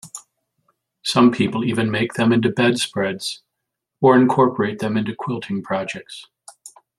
Some people even make them into bedspreads or incorporate them into quilting projects.